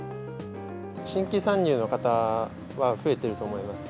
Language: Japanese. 新規参入の方は増えていると思います。